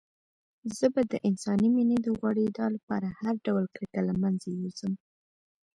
زه به د انساني مينې د غوړېدا لپاره هر ډول کرکه له منځه يوسم.